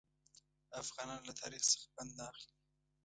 افغانان له تاریخ څخه پند نه اخلي.